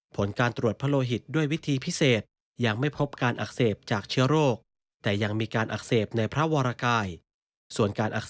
ผลการตรวจพระโลหิตด้วยวิธีพิเศษยังไม่พบการอักเสบจากเชื้อโรคแต่ยังมีการอักเสบในพระวรกายส่วนการอักเส